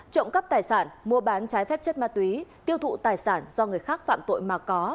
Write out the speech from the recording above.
trộm cắp tài sản mua bán trái phép chất ma túy tiêu thụ tài sản do người khác phạm tội mà có